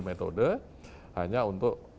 metode hanya untuk